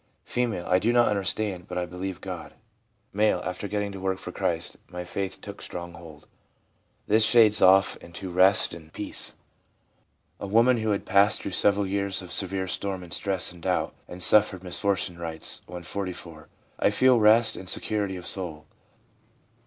F. ' I do not understand, but I believe God/ M. ' After getting to work for Christ, my faith took strong hold/ This shades off into rest and THE PSYCHOLOGY OF RELIGION peace. A woman who had passed through several years of severe storm and stress and doubt, and suffered mis fortunes, writes, when 44 :* I feel rest and security of soul.'